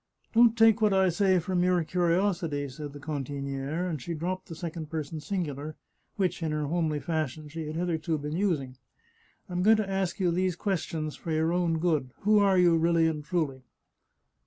" Don't take what I say for mere curiosity," said the cantiniere, and she dropped the second person singular, which, in her homely fashion, she had hitherto been using. " I'm going to ask you these questions for your own good. Who are you, really and truly